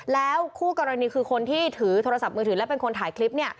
แล้วคู่กรณีคือคนที่ถือโทรศัพท์มือถือและเป็นคนถ่ายคลิป